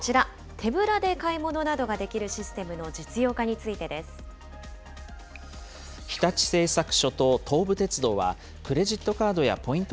手ぶらで買い物などができるシス日立製作所と東武鉄道は、クレジットカードやポイント